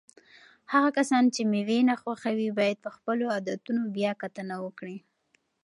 هغه کسان چې مېوې نه خوښوي باید په خپلو عادتونو بیا کتنه وکړي.